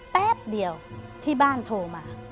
แป๊บเดียวที่บ้านโทรมา